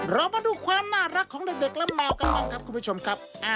เรามาดูความน่ารักของเด็กและแมวกันบ้างครับคุณผู้ชมครับ